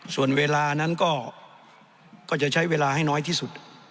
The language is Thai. ส่วนเวลานั้นก็จะใช้เวลาให้น้อยที่สุด